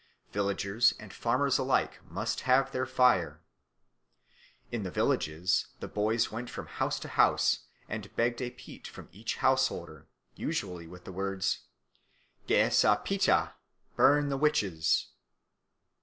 Villagers and farmers alike must have their fire. In the villages the boys went from house to house and begged a peat from each householder, usually with the words, "Ge's a peat t' burn the witches."